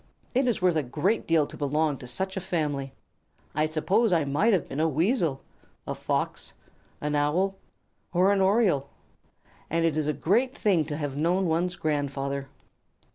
It is worth a great deal to belong to such a family. I suppose I might have been a Weasel, a Fox, an Owl, or an Oriole. And it is a great thing to have known one's grandfather."